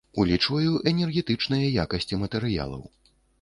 Улічваю энергетычныя якасці матэрыялаў.